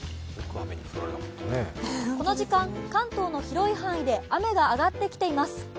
この時間、関東の広い範囲で雨があがってきています。